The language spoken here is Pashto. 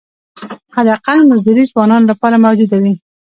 حداقل مزدوري ځوانانو لپاره موجوده وي.